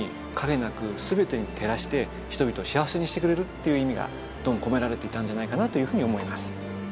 という意味が込められていたんじゃないかなというふうに思います。